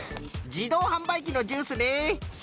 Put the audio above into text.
じどうはんばいきのジュースね。